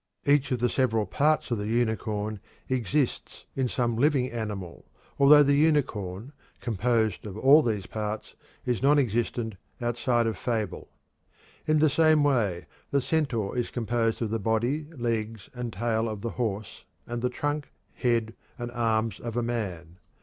Each of the several parts of the unicorn exists in some living animal, although the unicorn, composed of all of these parts, is non existent outside of fable. In the same way the centaur is composed of the body, legs, and tail of the horse and the trunk, head, and arms of a man.